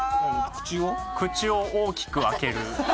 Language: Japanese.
口を大きく開ける。